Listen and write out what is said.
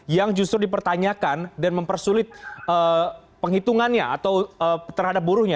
yang justru dipertanyakan dan mempersulit penghitungannya atau terhadap buruhnya